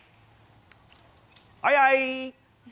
はいはい。